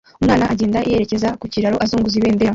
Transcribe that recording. Umwana ugenda yerekeza ku kiraro azunguza ibendera